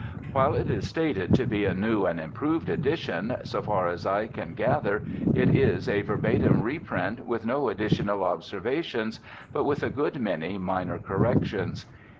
While it is stated to be a new and improved edition, so far as I can gather it is a verbatim reprint, with no additional observations, but with a good many minor corrections.